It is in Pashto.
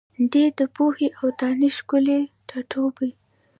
دی د پوهي او دانش ښکلی ټاټوبی